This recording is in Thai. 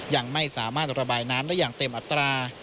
ยังไม่สามารถระบายน้ำได้อย่างเต็มอัตรา